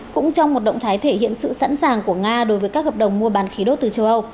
cũng trong một động thái thể hiện sự sẵn sàng của nga đối với các hợp đồng mua bán khí đốt từ châu âu